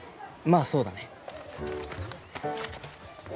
まあそうだね。